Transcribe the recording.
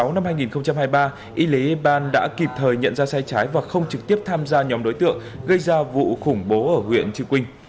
năm hai nghìn hai mươi ba y lý hê ban đã kịp thời nhận ra sai trái và không trực tiếp tham gia nhóm đối tượng gây ra vụ khủng bố ở huyện chư quynh